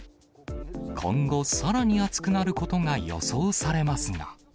今後、さらに暑くなることが予想されますが。